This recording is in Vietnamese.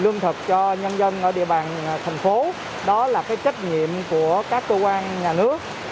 lương thực cho nhân dân ở địa bàn thành phố đó là cái trách nhiệm của các cơ quan nhà nước